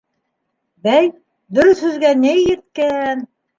— Бәй, дөрөҫ һүҙгә ни еткән!